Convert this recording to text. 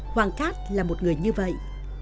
hoàng cát là một người như vậy